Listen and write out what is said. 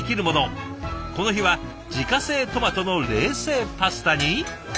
この日は自家製トマトの冷製パスタに。